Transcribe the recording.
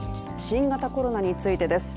新型コロナについてです。